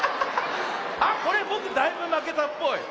あっこれぼくだいぶまけたっぽい。